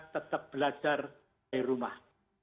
tetap belajar dari rumah